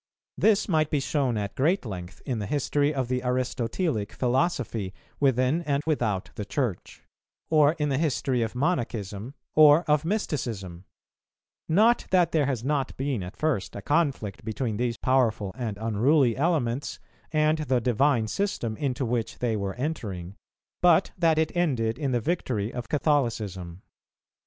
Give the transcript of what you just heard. This might be shown at great length in the history of the Aristotelic philosophy within and without the Church; or in the history of Monachism, or of Mysticism; not that there has not been at first a conflict between these powerful and unruly elements and the Divine System into which they were entering, but that it ended in the victory of Catholicism.